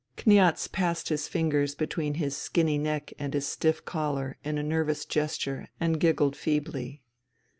Kniaz passed his fingers between his skinny neck and his stiff collar in a nervous gesture and giggled feebly.